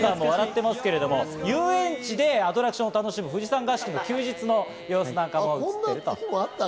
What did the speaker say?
遊園地でアトラクションを楽しむ富士山合宿の休日の様子なんかも映っています。